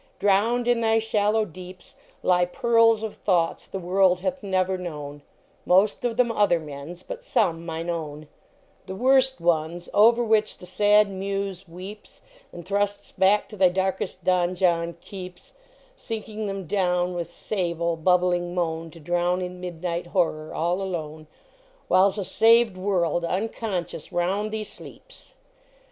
Drowned in thy shallow deeps, Lie i*arls of thoughts the world hath never kno Most of them other men s, but some mine own The worst ones over which th> sad Muse weeps And thrusts back to thy d;irk t donjon k Sinking them down with sable, bubbling moan, To drown in midnight horror, all alon \ Whiles a saved world unconscious round thee sleeps.